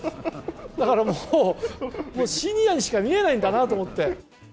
だからもう、もうシニアにしか見えないんだなと思って。